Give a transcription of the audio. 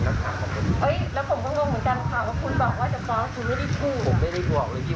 ผมบอกว่าไม่ได้พูดอะสุดพูดคุณนี้